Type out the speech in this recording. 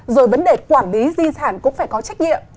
rồi vấn đề quản lý di sản cũng phải có trách nhiệm